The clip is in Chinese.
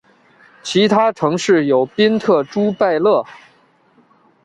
其他城市有宾特朱拜勒。